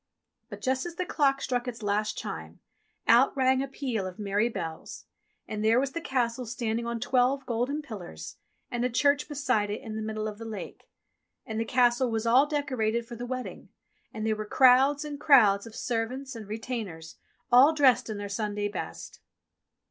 But just as the clock struck its last chime, out rang a peal of merry bells, and there was the Castle standing on twelve golden pillars and a church beside it in the middle of the lake. And the Castle was all decorated for the wedding, and there were crowds and crowds of servants and retainers, all dressed in their Sunday best.